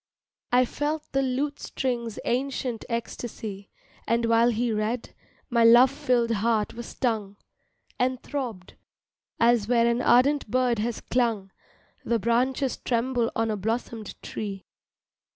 I felt the lute strings' ancient ecstasy, And while he read, my love filled heart was stung, And throbbed, as where an ardent bird has clung The branches tremble on a blossomed tree.